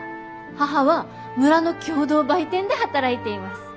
母は村の共同売店で働いています。